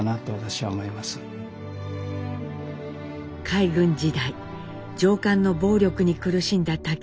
海軍時代上官の暴力に苦しんだ武。